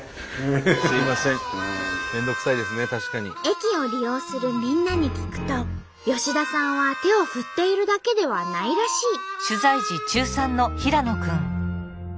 駅を利用するみんなに聞くと吉田さんは手を振っているだけではないらしい。